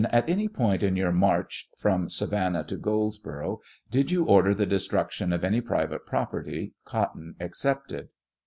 At any point in your march from Savannah to Goldsborough, did you order the destruction of any private property, cotton excepted